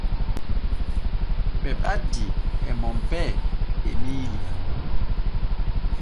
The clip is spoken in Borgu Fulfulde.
Ɓe baddii e Monpee Emiili.